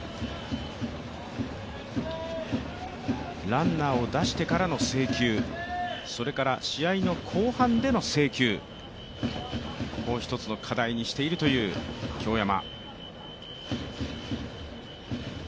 ランナーを出してからの制球、それから試合後半での制球、ここを一つの課題にしているという京山。